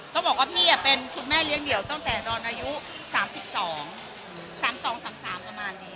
เขาบอกว่าพี่เป็นคุณแม่เลี้ยงเดี่ยวตั้งแต่ตอนอายุ๓๒๓๒๓๓ประมาณนี้